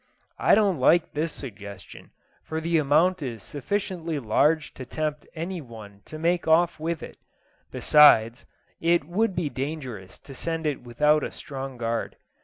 I don't like this suggestion, for the amount is sufficiently large to tempt any one to make off with it; besides, it would be dangerous to send it without a strong guard.